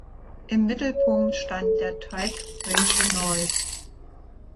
Im Mittelpunkt stand der Track "Bring the Noise".